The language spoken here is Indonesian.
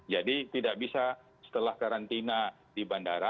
jadi tidak bisa setelah karantina di bandara